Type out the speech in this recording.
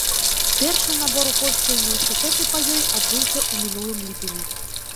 Першы набор у польскія ўніверсітэты па ёй адбыўся ў мінулым ліпені.